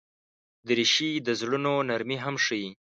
دریشي د زړونو نرمي هم ښيي.